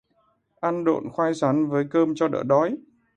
Ăn độn khoai sắn với cơm cho đỡ đói